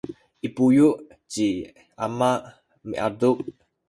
i buyu’ ci ama miadup